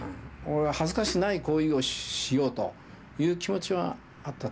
恥ずかしくない行為をしようという気持ちはあったと思います。